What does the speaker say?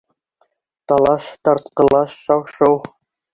Талаш, тартҡылаш, шау-шыу.